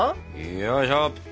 よいしょ。